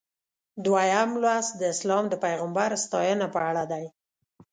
دویم لوست د اسلام د پیغمبر ستاینه په اړه دی.